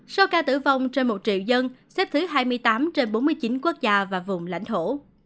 số ca tử vong trên một triệu dân xếp thứ hai mươi tám trên bốn mươi chín quốc gia và vùng lãnh thổ